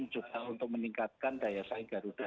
juga untuk meningkatkan daya saing garuda